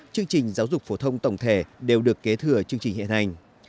chương trình giáo dục phổ thông tổng thể đều được kế thừa chương trình hiện hành